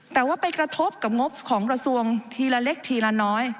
แต่ว่าไปกระทบกับงบของกระทรวงทีละเล็กทีละน้อย